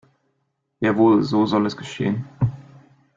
Jawohl, so soll es geschehen.